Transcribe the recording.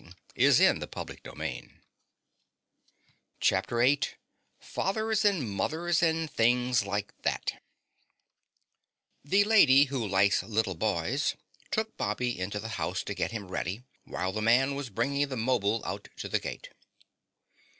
CHAPTER VIII FATHERS AND MOTHERS AND THINGS LIKE THAT The Lady Who Likes Little Boys took Bobby into the house to get him ready while the man was bringing the 'mobile out to the gate.